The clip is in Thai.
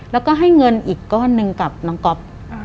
แล้วก็ให้เงินอีกก้อนหนึ่งกับน้องก๊อฟ